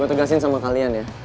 gue tegasin sama kalian ya